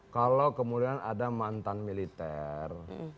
kalau kemudian ada mantan militer